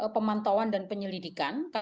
pemantauan dan penyelidikan